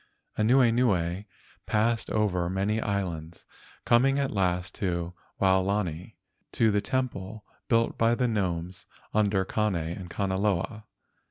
Anuenue passed over many islands, coming at last to Waolani to the temple built by the gnomes under Kane and Kanaloa.